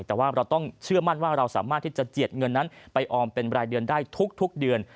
แต่ว่าเราต้องเชื่อมั่นว่าเราสามารถที่จะเจียดเงินนั้นไปออมเป็นรายเดือนได้ทุกเดือน